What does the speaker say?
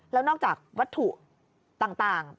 แล้วนอกจากวัตถุต่าง